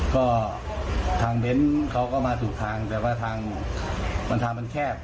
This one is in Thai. ก็ทางเบ้นเขาก็มาถูกทางแต่ว่าทางมันทางมันแคบ